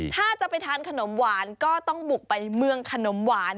ถ้าจะไปทานขนมหวานก็ต้องบุกไปเมืองขนมหวาน